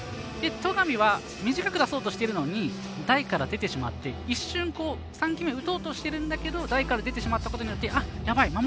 戸上は短く出そうとしているので台から出てしまって一瞬、３球目を打とうとしているんだけど台から出てしまったことによってやばい！